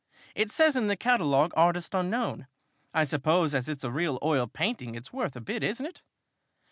It says in the catalogue 'Artist unknown.' I suppose, as it's a real oil painting, it's worth a bit, isn't it?"